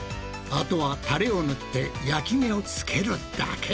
あとはタレを塗って焼き目をつけるだけ！